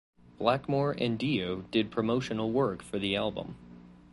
Blackmore and Dio did promotional work for the album.